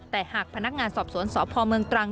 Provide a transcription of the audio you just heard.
แต่หากพนักงานสอบสวนสพเมืองตรัง